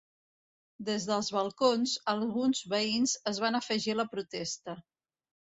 Des dels balcons, alguns veïns es van afegir a la protesta.